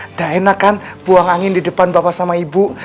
tidak enak kan buang angin di depan bapak sama ibu